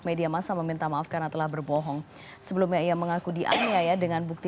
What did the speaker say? media masa meminta maaf karena telah berbohong sebelumnya ia mengaku dianiaya dengan bukti